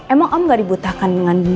emang om gak dibutahkan dengan dendam ya